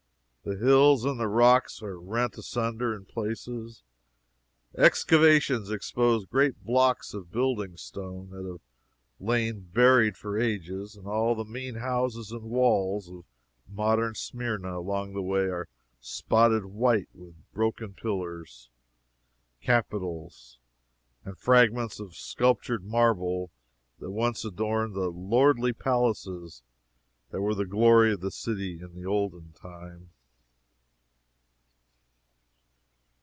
The hills and the rocks are rent asunder in places, excavations expose great blocks of building stone that have lain buried for ages, and all the mean houses and walls of modern Smyrna along the way are spotted white with broken pillars, capitals and fragments of sculptured marble that once adorned the lordly palaces that were the glory of the city in the olden time.